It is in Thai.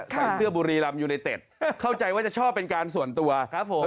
ใส่เสื้อบุรีรำยูไนเต็ดเข้าใจว่าจะชอบเป็นการส่วนตัวครับผม